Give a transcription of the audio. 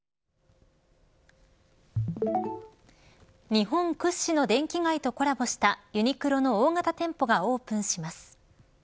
日本屈指の電気街とコラボしたユニクロの大型店舗がオープンします。